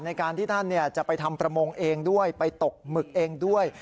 ในการที่ท่านจะไปทำประมงเองด้วยไปตกหมึกเองด้วย